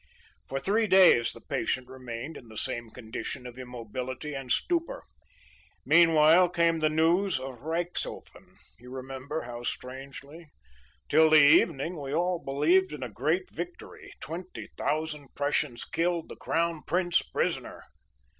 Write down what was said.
"For three days the patient remained in the same condition of immobility and stupor. Meanwhile came the news of Reichshofen—you remember how strangely? Till the evening we all believed in a great victory—twenty thousand Prussians killed, the Crown Prince prisoner.